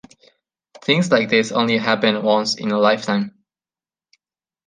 Things like this only happen once in a lifetime.